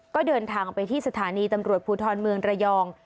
ก็เดินทางไปที่สถานีตำรวจภูทรเมืองระยอง